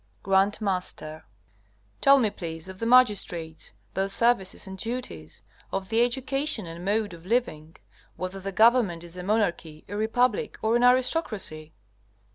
G.M. Tell me, please, of the magistrates, their services and duties, of the education and mode of living, whether the government is a monarchy, a republic, or an aristocracy.